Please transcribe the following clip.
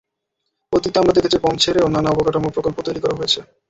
অতীতে আমরা দেখেছি বন্ড ছেড়েও নানা অবকাঠামো প্রকল্প তৈরি করা হয়েছে।